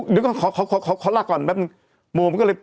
เดี๋ยวก็ขอลาดก่อนแป๊บหนึ่ง